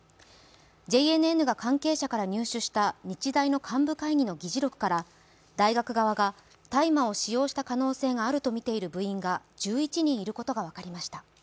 ＪＮＮが関係者から入手した日大の幹部会議の議事録から大学側が大麻を使用した可能性があるとみている部員が１１人いることが分かりました。